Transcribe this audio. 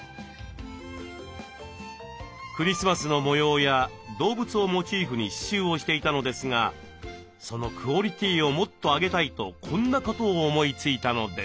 クリスマスの模様や動物をモチーフに刺しゅうをしていたのですがそのクオリティーをもっと上げたいとこんなことを思いついたのです。